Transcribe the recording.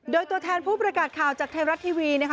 โดยตัวแทนผู้ประกาศข่าวจากไทยรัฐทีวีนะคะ